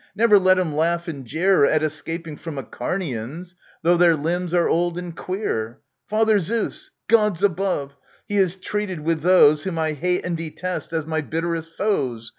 Never let him laugh and jeer At escaping from Acharnians, though their limbs are old and queer ! Father Zeus ! Gods above ! He has treated with those Whom I hate and detest as my bitterest foes